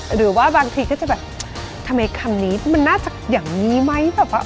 หรือว่าบางทีเขาจะทำไมคำนี้มันน่าจะอย่างนี้ไหม